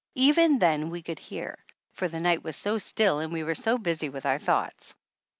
Even then we could hear, for the night was so still and we were so busy with our thoughts.